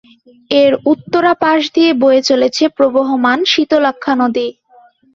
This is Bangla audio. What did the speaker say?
এর উত্তরা পাশ দিয়ে বয়ে চলেছে প্রবহমান শীতলক্ষ্যা নদী।